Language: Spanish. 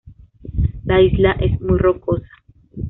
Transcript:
La isla es muy rocosa.